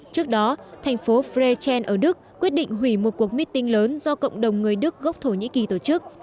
trước đó thành phố freixen ở đức quyết định hủy một cuộc bí tinh lớn do cộng đồng người đức gốc thổ nhĩ kỳ tổ chức